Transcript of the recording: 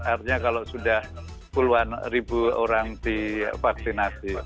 artinya kalau sudah puluhan ribu orang di vaksin